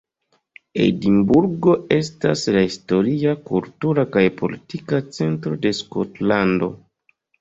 Edinburgo estas la historia, kultura kaj politika centro de Skotlando.